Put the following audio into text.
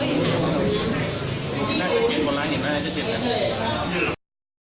น่าจะเก็บไบร์ไลน์อีกไงน่าจะเก็บไหม